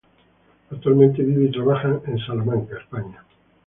Actualmente vive y trabaja en Salamanca, España.